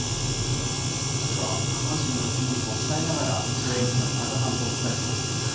では、下半身の筋肉を鍛えながら、気象予報士の田中さんとお伝えします。